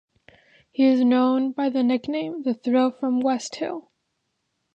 He is known by the nickname "the thrill from West Hill".